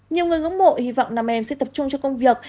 nhiều người ngưỡng mộ hy vọng năm em sẽ tập trung cho công việc